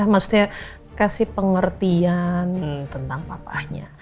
maksudnya kasih pengertian tentang papahnya